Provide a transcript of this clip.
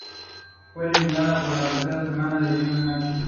Fue eliminada en la tercera semana con Dionne Mitchell.